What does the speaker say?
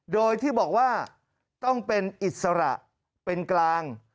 โดยที่บอกว่าต้องเป็นอิสระเป็นกลาง